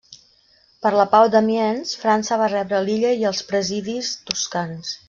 Per la pau d'Amiens França va rebre l'illa i els Presidis Toscans.